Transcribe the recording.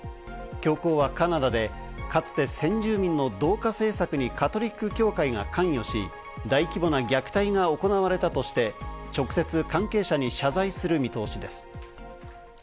教皇はカナダでかつて先住民の同化政策にカトリック教会が関与し、大規模な虐待が行われたとして、直接、関係者に謝罪する見通しです。